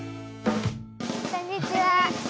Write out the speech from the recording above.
こんにちは。